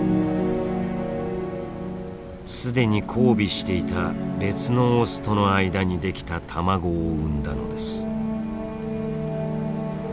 既に交尾していた別のオスとの間にできた卵を産んだのです。